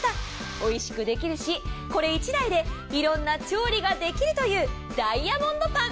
おいしくできるし、これ１台でいろんな調理ができるというダイヤモンドパン。